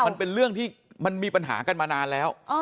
มันเป็นเรื่องที่มันมีปัญหากันมานานแล้ว